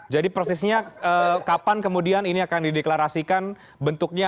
jadi prosesnya kapan kemudian ini akan dideklarasikan bentuknya